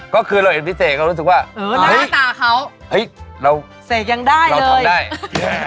ก็คือเราเห็นพี่เสกเรารู้สึกว่าเฮ้ยเสกยังได้เลย